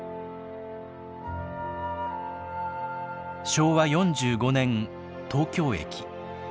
昭和４５年東京駅。